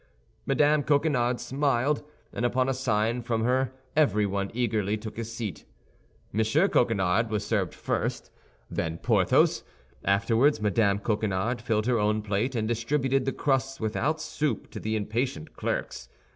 Mme. Coquenard smiled, and upon a sign from her everyone eagerly took his seat. M. Coquenard was served first, then Porthos. Afterward Mme. Coquenard filled her own plate, and distributed the crusts without soup to the impatient clerks.